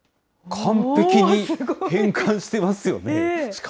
完璧に変換してますよね。